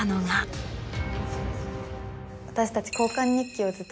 私たち。